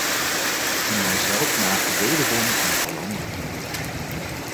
En wijzelf maken wederom een verlamde indruk.